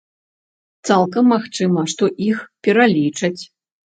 Цалкам магчыма, што іх пералічаць.